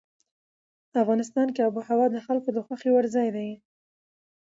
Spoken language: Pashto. افغانستان کې آب وهوا د خلکو د خوښې وړ ځای دی.